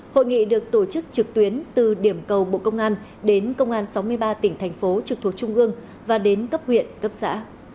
hội nghị được tổ chức trực tuyến từ điểm cầu bộ công an đến công an sáu mươi ba tỉnh thành phố trực thuộc trung ương và đến cấp huyện cấp xã